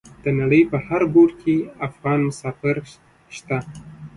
د نړۍ په هر ګوټ کې افغانان مسافر شته.